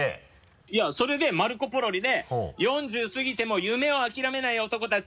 いやそれで「マルコポロリ！」で「４０過ぎても夢を諦めない男たち」